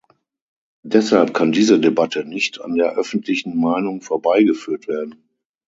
Deshalb kann diese Debatte nicht an der öffentlichen Meinung vorbei geführt werden.